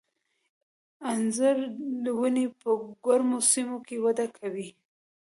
د انځرو ونې په ګرمو سیمو کې وده کوي.